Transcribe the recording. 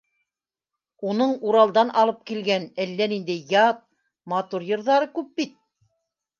Уның Уралдан алып килгән әллә ниндәй ят, матур йырҙары күп бит.